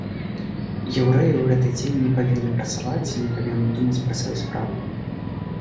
Яўрэі ў гэты дзень не павінны працаваць, не павінны думаць пра свае справы.